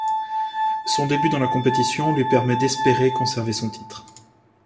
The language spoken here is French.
Son début dans la compétition lui permet d'espérer conserver son titre.